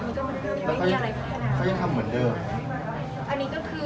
ที่บอกว่าไม่ได้คุยเครียม